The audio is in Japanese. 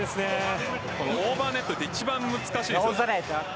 オーバーネットって一番難しい。